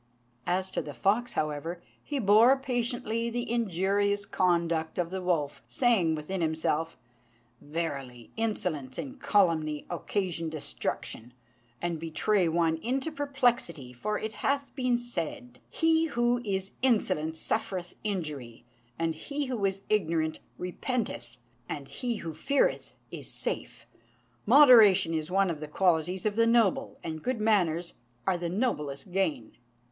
As to the fox, however, he bore patiently the injurious conduct of the wolf, saying within himself, "Verily, insolence and calumny occasion destruction, and betray one into perplexity; for it hath been said, 'He who is insolent suffereth injury, and he who is ignorant repenteth, and he who feareth is safe: moderation is one of the qualities of the noble, and good manners are the noblest gain.'